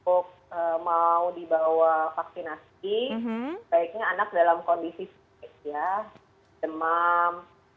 kalau untuk mau dibawa vaksinasi baiknya anak dalam kondisi demam